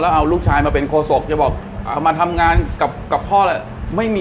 แล้วเอาลูกชายมาเป็นโครสกรัฐบาลจะบอกมาทำงานกับพ่อแหละ